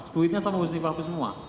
duitnya sama husni fahmi semua